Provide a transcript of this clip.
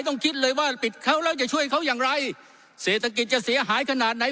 คิดเลยว่าปิดเขาแล้วจะช่วยเขาอย่างไรเศรษฐกิจจะเสียหายขนาดไหน